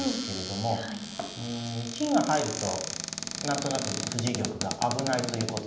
もうん金が入ると何となく藤井玉が危ないということです。